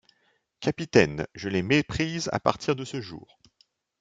Capitaine, je les méprise à partir de ce jour.